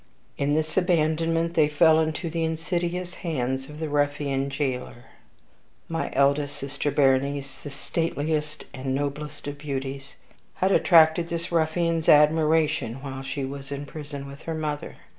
In this abandonment they fell into the insidious hands of the ruffian jailer. My eldest sister, Berenice, the stateliest and noblest of beauties, had attracted this ruffian's admiration while she was in the prison with her mother.